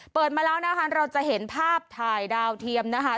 มาแล้วนะคะเราจะเห็นภาพถ่ายดาวเทียมนะคะ